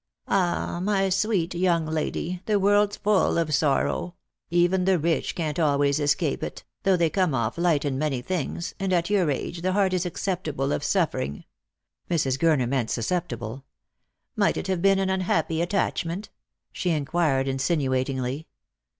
"Ah, my sweet young lady, the world's full of sorrow; even the rich can't always escape it, though they come off light in Lout for Love. 211 many things, and at your age the heart is acceptable of suffer ing " (Mrs. Gurner meant " susceptible"). " Might it have been an unhappy attachment? " she inquired insinuatingly.